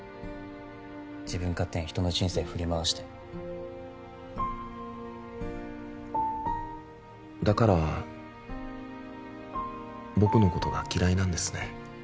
自分勝手に人の人生振り回してだから僕のことが嫌いなんですね